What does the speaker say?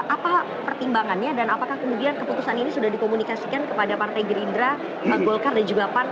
apa pertimbangannya dan apakah kemudian keputusan ini sudah dikomunikasikan kepada partai gerindra golkar dan juga pan